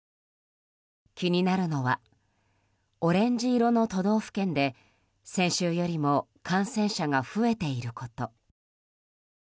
気になるのはオレンジ色の都道府県で先週よりも感染者が増えていること。